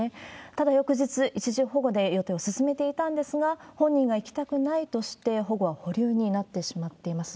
ただ、翌日、一時保護で予定を進めていたんですが、本人が行きたくないとして保護は保留になってしまっています。